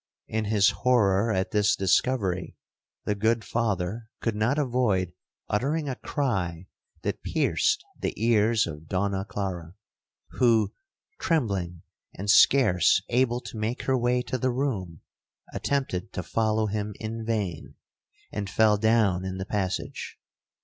In his horror at this discovery, the good Father could not avoid uttering a cry that pierced the ears of Donna Clara, who, trembling and scarce able to make her way to the room, attempted to follow him in vain, and fell down in the passage.